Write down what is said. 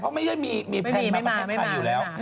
เขาไม่ได้มีแพลนมาประเทศไทยอยู่แล้ว